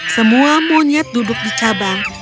semua monyet duduk di cabang